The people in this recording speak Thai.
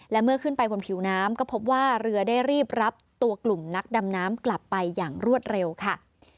และเมื่อขึ้นไปบนผิวน้ำก็พบว่าเรือได้รีบรับตัวกลุ่มนักดำน้ำกลับไปอย่างรวดเร็วค่ะ